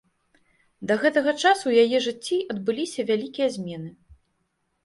Да гэтага часу ў яе жыцці адбыліся вялікія змены.